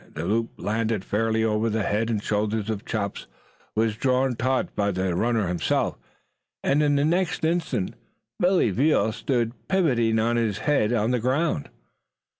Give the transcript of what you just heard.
The loop landed fairly over the head and shoulders of Chops, was drawn taut by the runner himself, and in the next instant Billy Veal stood pivoting on his head on the ground.